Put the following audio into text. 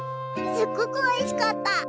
すっごくおいしかった！